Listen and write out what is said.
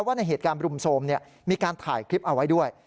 ว่าในเหตุการณ์รุมโทรมมีการถ่ายคลิปเอาไว้ด้วย